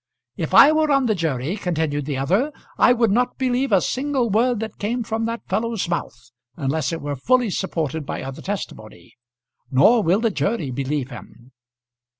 "If I were on the jury," continued the other, "I would not believe a single word that came from that fellow's mouth, unless it were fully supported by other testimony. Nor will the jury believe him."